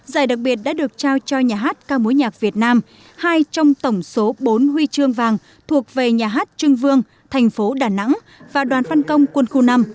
giải đặc biệt đã được trao cho nhà hát ca mối nhạc việt nam hai trong tổng số bốn huy chương vàng thuộc về nhà hát trưng vương thành phố đà nẵng và đoàn phân công quân khu năm